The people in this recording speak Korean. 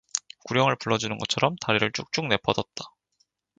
구령을 불러 주는 것처럼 다리를 쭉쭉 내뻗었다.